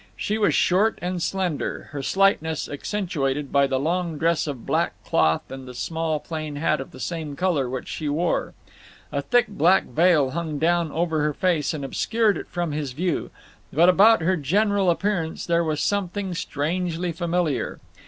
She was short and slender; her slightness accentuated by the long dress of black cloth and the small plain hat of the same colour which she wore. A thick black veil hung down over her face and obscured it from his view, but about her general appearance there was something strangely familiar.